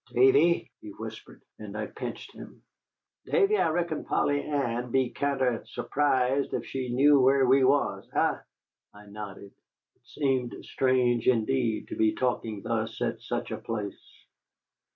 "Davy," he whispered, and I pinched him. "Davy, I reckon Polly Ann'd be kinder surprised if she knew where we was. Eh?" I nodded. It seemed strange, indeed, to be talking thus at such a place.